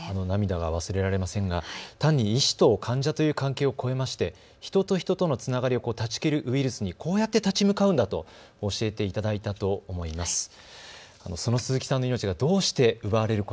涙が忘れられませんが単に医師と患者という関係を超えまして人と人とのつながりを断ち切るウイルスにこうやって立ち向かうんだと教えていただいたと思います。